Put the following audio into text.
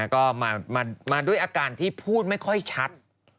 ก็มาด้วยอาการที่พูดไม่ค่อยชัด